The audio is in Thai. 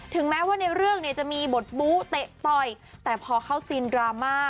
แม้ว่าในเรื่องเนี่ยจะมีบทบู้เตะต่อยแต่พอเข้าซีนดราม่า